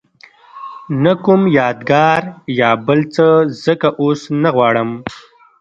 نه کوم یادګار یا بل څه ځکه اوس نه غواړم.